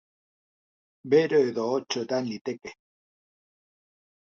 Bero edo hotz edan liteke.